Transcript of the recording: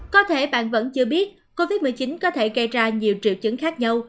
có thể bạn vẫn chưa biết covid một mươi chín có thể gây ra nhiều triệu chứng khác nhau